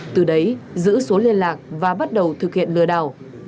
từ đấy giữ số liên lạc và bắt đầu thực hiện lừa đảo